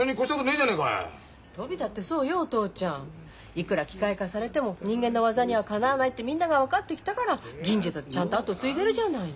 いくら機械化されても人間の技にはかなわないってみんなが分かってきたから銀次だってちゃんとあとを継いでるじゃないの。